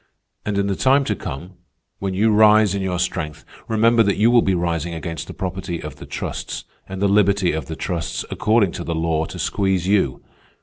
And in the time to come, when you rise in your strength, remember that you will be rising against the property of the trusts, and the liberty of the trusts, according to the law, to squeeze you.